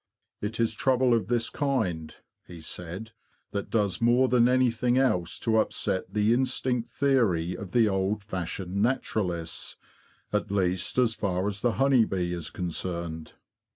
'It is trouble of this kind,' he said, '' that does more than anything else to upset the instinct theory of the old fashioned naturalists, at least as far as the honey bee is concerned.